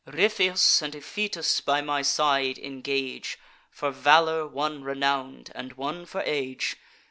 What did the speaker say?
Ripheus and Iph'itas by my side engage, For valour one renown'd, and one for age.